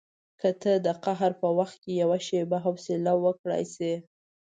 که ته د قهر په وخت کې یوه شېبه حوصله وکړای شې.